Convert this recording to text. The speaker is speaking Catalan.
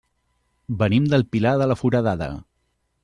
Venim del Pilar de la Foradada.